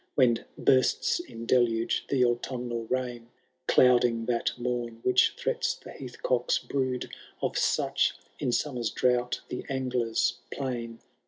When bursts in deluge the autumnal rain. Clouding that mom which threats the heath cock*B brood; Of such, in summer's drought, the anglers plain.